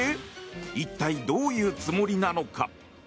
一体どういうつもりなのか。